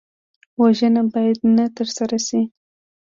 وژنه باید نه ترسره شي